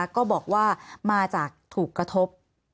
ก็บอกว่ามาจากถูกกระทบ